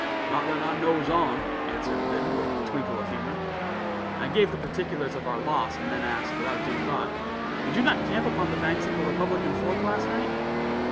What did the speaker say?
"Not that I knows on," answered Biddon, with a twinkle of humor. I gave the particulars of our loss, and then asked, without due thought: "Did you not camp upon the banks of the Republican Fork last night?"